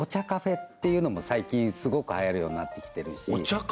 カフェっていうのも最近すごくはやるようになってきてるしお茶